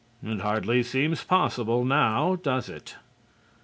It hardly seems possible now, does it?